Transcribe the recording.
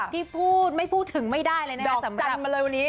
ที่พูดไม่พูดถึงไม่ได้เลยนะคะสำคัญมาเลยวันนี้